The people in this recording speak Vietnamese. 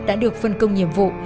đã được phân công nhiệm vụ